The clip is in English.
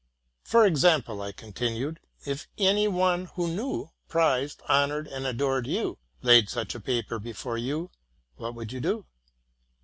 ''—'+ For example,'' I continued, ''if any one who knew, prized, honored, and adored you, laid such a paper before you, what would you do?